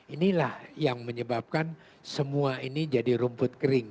inilah yang menyebabkan semua ini jadi rumput kering